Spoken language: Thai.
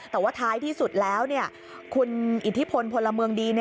แต่ว่าท้ายที่สุดแล้วคุณอิทธิพลพลเมืองดี